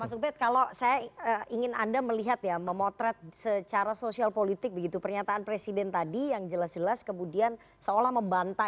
mas ubet kalau saya ingin anda melihat ya memotret secara sosial politik begitu pernyataan presiden tadi yang jelas jelas kemudian seolah membanta